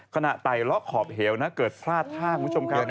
ขณะไตล็อกขอบเหี่ยวนะเกิดพลาดท่าคุณผู้ชมครับ